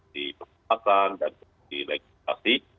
di penguatan dan di legislasi